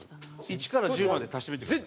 １から１０まで足してみてください。